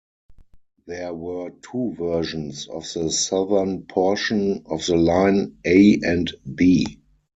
There were two versions of the southern portion of the line: "A" and "B".